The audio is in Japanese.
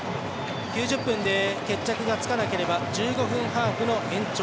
９０分で決着がつかなければ１５分ハーフの延長。